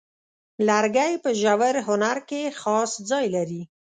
لرګی په ژور هنر کې خاص ځای لري.